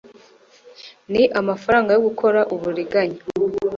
ni amafaranga yo gukora uburiganya